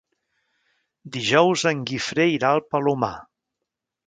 Dijous en Guifré irà al Palomar.